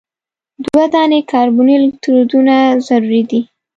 دوه دانې کاربني الکترودونه ضروري دي.